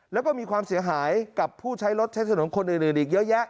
แล้วก็มีความเสียหายกับผู้ใช้รถใช้ถนนคนอื่นอีกเยอะแยะ